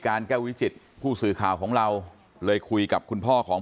แก้ววิจิตผู้สื่อข่าวของเราเลยคุยกับคุณพ่อของ